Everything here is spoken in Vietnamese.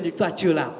nhưng chúng ta chưa làm